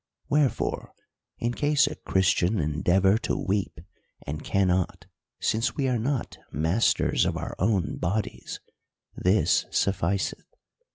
"Wherefore, in case a Christian endeavor to weep and cannot, since we are not masters of our own bodies, this sufficeth.